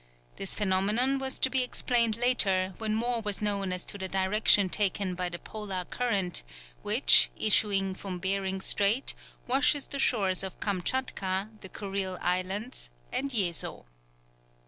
This phenomenon was to be explained later, when more was known as to the direction taken by the polar current, which, issuing from Behring Strait, washes the shores of Kamtchatka, the Kurile Islands, and Yezo.